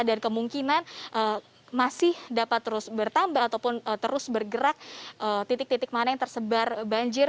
dan kemungkinan masih dapat terus bertambah ataupun terus bergerak titik titik mana yang tersebar banjir